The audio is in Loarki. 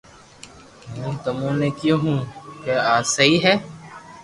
ھون تموني ڪيو ھون ڪا آ سھي ھي